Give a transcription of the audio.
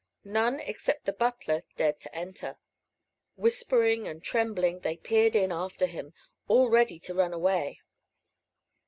None except the butler dared to enter. Whispering and trembling they peered in after him, all ready to run away.